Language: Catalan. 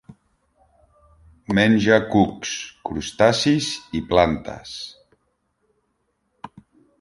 Menja cucs, crustacis i plantes.